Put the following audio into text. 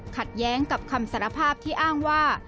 ขัดแย้งกับคำสารภาพที่อ้างว่า